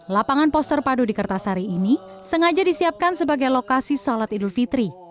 lapangan poster padu di kertasari ini sengaja disiapkan sebagai lokasi salat idul fitri